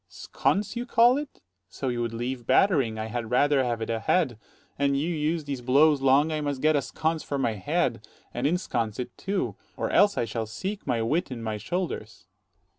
Dro. S. Sconce call you it? so you would leave battering, 35 I had rather have it a head: an you use these blows long, I must get a sconce for my head, and insconce it too; or else I shall seek my wit in my shoulders.